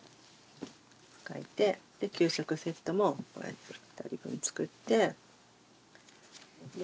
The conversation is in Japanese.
書いて給食セットもこうやって２人分作って。